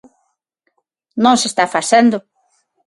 Non se está facendo.